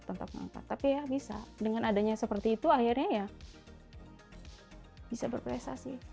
tetap ngangkat tapi ya bisa dengan adanya seperti itu akhirnya ya bisa berprestasi